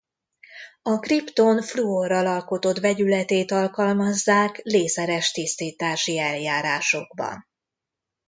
A kripton fluorral alkotott vegyületét alkalmazzák lézeres tisztítási eljárásokban.